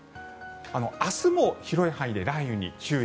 明日も広い範囲で雷雨に注意。